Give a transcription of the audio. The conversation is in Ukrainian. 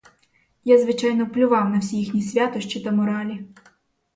Я, звичайно, плював на всі їхні святощі та моралі.